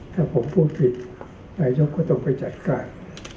ถ้าผมพูดผิดนายกก็ต้องไปจัดการ